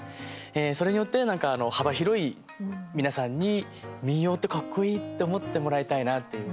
それによって幅広い皆さんに民謡ってかっこいいって思ってもらいたいなっていう。